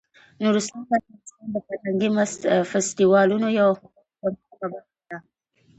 نورستان د افغانستان د فرهنګي فستیوالونو یوه خورا مهمه برخه ده.